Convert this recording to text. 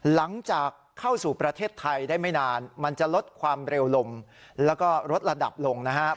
หลังจากเข้าสู่ประเทศไทยได้ไม่นานมันจะลดความเร็วลงแล้วก็ลดระดับลงนะครับ